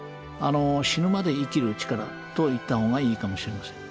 死ぬまで生きる力と言った方がいいかもしれません。